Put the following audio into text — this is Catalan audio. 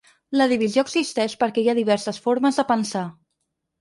La divisió existeix perquè hi ha diverses formes de pensar.